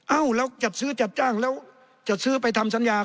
เอ้าแล้วจัดซื้อจัดจ้างแล้วจัดซื้อไปทำสัญญา